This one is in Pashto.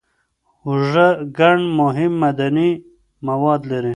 هوږه ګڼ مهم معدني مواد لري.